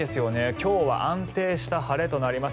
今日は安定した晴れとなります。